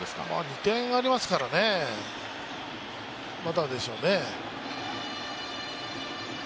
２点ありますから、まだでしょうね。